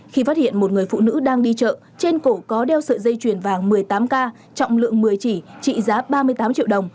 khi phát hiện một người phụ nữ đang đi chợ trên cổ có đeo sợi dây chuyền vàng một mươi tám k trọng lượng một mươi chỉ trị giá ba mươi tám triệu đồng